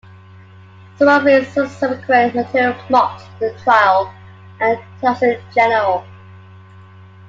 Some of his subsequent material mocked the trial and tax in general.